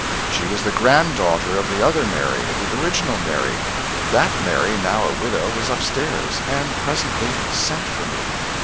She was the granddaughter of the other Mary, the original Mary. That Mary, now a widow, was up stairs, and presently sent for me.